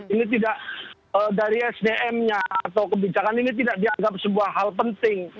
ini tidak dari sdm nya atau kebijakan ini tidak dianggap sebuah hal penting